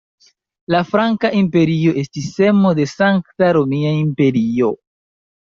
La franka imperio estis semo de Sankta Romia Imperio.